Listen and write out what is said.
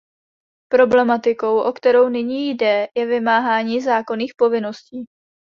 Problematikou, o kterou nyní jde, je vymáhání zákonných povinností.